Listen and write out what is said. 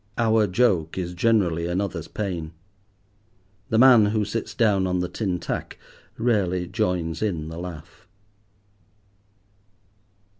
Our joke is generally another's pain. The man who sits down on the tin tack rarely joins in the laugh.